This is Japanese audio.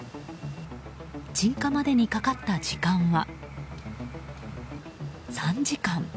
鎮火までにかかった時間は３時間。